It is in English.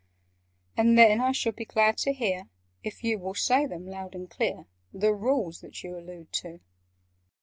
And then I shall be glad to hear— If you will say them loud and clear— The Rules that you allude to."